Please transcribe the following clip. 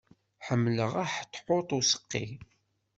Ḥemmleɣ aḥetḥut s useqqi.